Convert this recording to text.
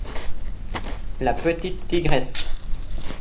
la petite tigresse.